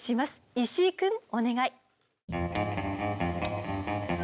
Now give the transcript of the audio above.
石井くんお願い。